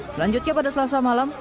selanjutnya pada selasa malam